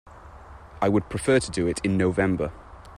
I would prefer to do it in November.